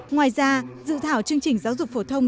ngoài ra dự thảo chương trình giáo dục phổ thông